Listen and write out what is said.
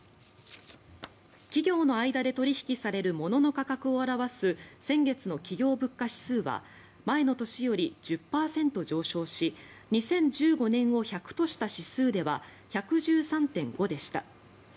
企業の間で取引される物の価格を表す先月の企業物価指数は前の年より１０％上昇し２０１５年を１００とした指数では１１３．５でした。